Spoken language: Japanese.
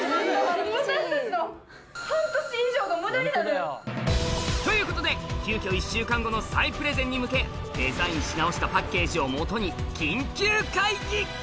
無駄になる。ということで急きょ１週間後の再プレゼンに向けデザインし直したパッケージを基に緊急会議！